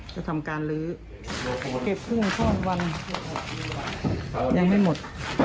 จะทำการลื้อเก็บกุ้งข้ามวันยังไม่หมด